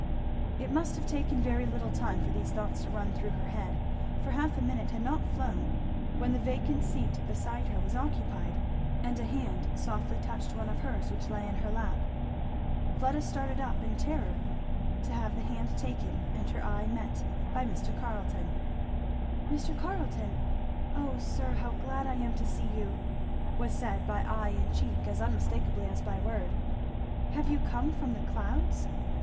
It must have taken very little time for these thoughts to run through her head, for half a minute had not flown when the vacant seat beside her was occupied and a hand softly touched one of hers which lay in her lap. Fleda started up in terror, to have the hand taken and her eye met by Mr. Carleton. "Mr. Carleton! O sir, how glad I am to see you!" was said by eye and cheek as unmistakably as by word. "Have you come from the clouds?"